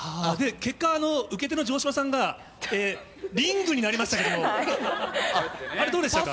結果、受け手の城島さんが、リングになりましたけれども、あれ、どうでしたか？